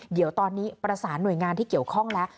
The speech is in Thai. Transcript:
เดี๋ยวตอนนี้ประสานหน่วยงานที่เกี่ยวข้องแล้ว